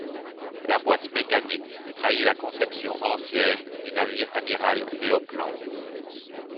La boîte mécanique trahit la conception ancienne du navire amiral Neoplan.